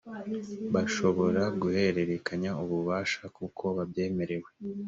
bashobora guhererekanya ububasha kuko babyemerewe